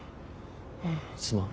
すまん。